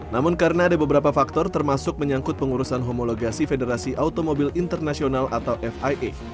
namun karena ada beberapa faktor termasuk menyangkut pengurusan homologasi federasi automobil internasional atau fia